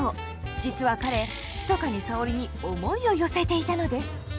実は彼ひそかに沙織に思いを寄せていたのです。